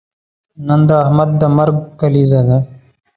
نن د احمد د مرګ کلیزه ده.